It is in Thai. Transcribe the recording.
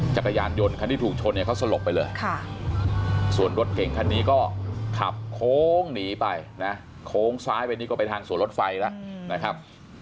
จักรยานยนต์คันที่ถูกชนเนี่ยเขาสลบไปเลยส่วนรถเก่งคันนี้ก็ขับโค้งหนีไปนะโค้งซ้ายไปนี่ก็ไปทางสวนรถไฟแล้วนะครับ